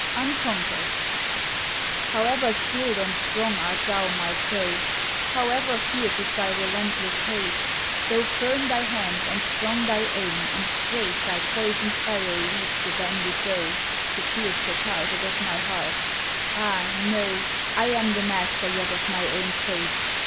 =Unconquered= However skilled and strong art thou, my foe, However fierce is thy relentless hate Though firm thy hand, and strong thy aim, and straight Thy poisoned arrow leaves the bended bow, To pierce the target of my heart, ah! know I am the master yet of my own fate.